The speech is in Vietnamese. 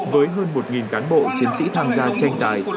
với hơn một cán bộ chiến sĩ tham gia tranh tài